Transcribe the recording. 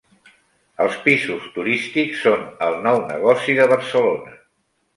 Els pisos turístics són el nou negoci de Barcelona.